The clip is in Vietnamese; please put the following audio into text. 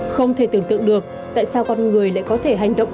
không thể tưởng tượng được tại sao con người lại có thể hành động